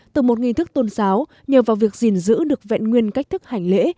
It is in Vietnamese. từ một nghi thức tôn giáo nhờ vào việc gìn giữ được vẹn nguyên cách thức hành lễ